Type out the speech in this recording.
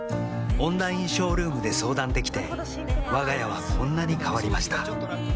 オンラインショールームで相談できてわが家はこんなに変わりました